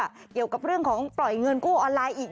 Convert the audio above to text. เกี่ยวกับเรื่องของปล่อยเงินกู้ออนไลน์อีก